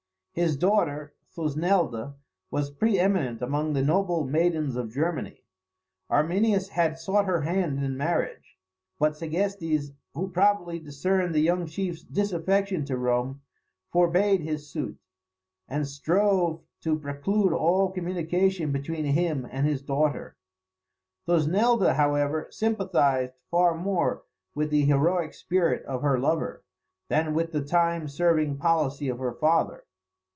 His daughter, Thusnelda, was pre eminent among the noble maidens of Germany. Arminius had sought her hand in marriage; but Segestes, who probably discerned the young chief's disaffection to Rome, forbade his suit, and strove to preclude all communication between him and his daughter. Thusnelda, however, sympathised far more with the heroic spirit of her lover, than with the time serving policy of her father.